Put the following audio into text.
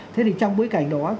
thế thì trong bối cảnh đó